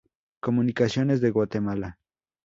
Comunicaciones de Guatemala.